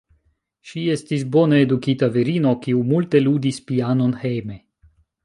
Ŝi estis bone edukita virino, kiu multe ludis pianon hejme.